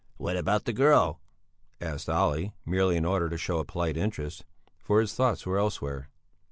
"What about the girl?" asked Olle, merely in order to show a polite interest, for his thoughts were elsewhere.